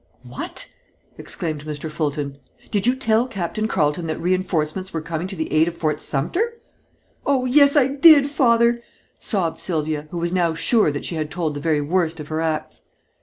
"What?" exclaimed Mr. Fulton. "Did you tell Captain Carleton that reinforcements were coming to the aid of Fort Sumter?" "Oh, yes, I did, Father," sobbed Sylvia, who was now sure that she had told the very worst of her acts.